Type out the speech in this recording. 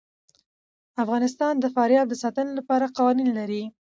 افغانستان د فاریاب د ساتنې لپاره قوانین لري.